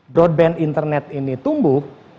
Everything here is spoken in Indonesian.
broadband internet ini tumbuh